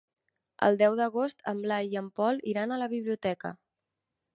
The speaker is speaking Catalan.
El deu d'agost en Blai i en Pol iran a la biblioteca.